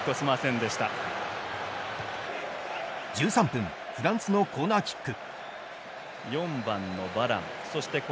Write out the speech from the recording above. １３分フランスのコーナーキック。